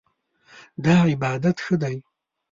دا عبارت ښه دی